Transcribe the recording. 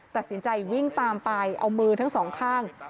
ตัดสินใจวิ่งตามไปเอามือทั้งสองข้าง